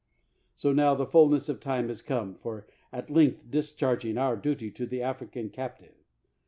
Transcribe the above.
So now the fulness of time is come for at length discharging our duty to the African cap tive.